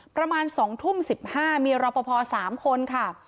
ประมาณสองทุ่มสิบห้ามีรอบพอพอสามคนค่ะ